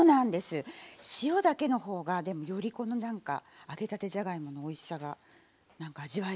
塩だけの方がでもよりこの何か揚げたてじゃがいものおいしさが何か味わえるような気がします。